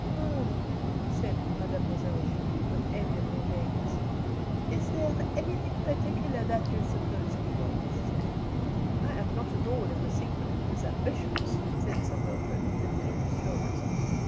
"Oh," said Mademoiselle Julie, with amiable vagueness, "is there anything particular that you suppose he wants?" "I am not at all in the secret of his ambitions," said Sir Wilfrid, lifting his shoulders.